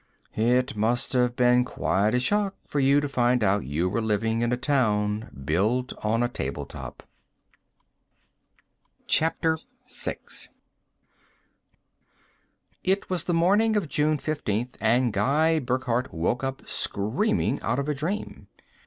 "It must have been quite a shock for you to find out you were living in a town built on a table top." VI It was the morning of June 15th, and Guy Burckhardt woke up screaming out of a dream.